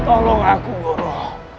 tolong aku guru